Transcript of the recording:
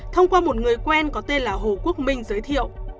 thông qua một người quen có tên là hồ quốc minh giới thiệu